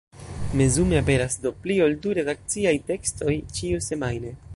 Mezume aperas do pli ol du redakciaj tekstoj ĉiusemajne.